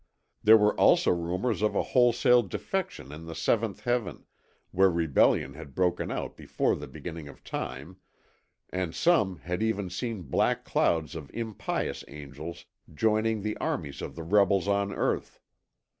There were also rumours of wholesale defection in the Seventh Heaven, where rebellion had broken out before the beginning of Time, and some had even seen black clouds of impious angels joining the armies of the rebels on Earth.